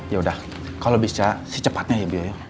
ya udah kalau bisa si cepatnya ya bu yoyo